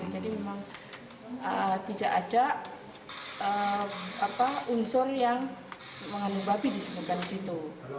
jadi memang tidak ada unsur yang mengandung babi disebutkan di situ